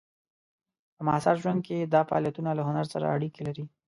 په معاصر ژوند کې دا فعالیتونه له هنر سره اړیکې لري.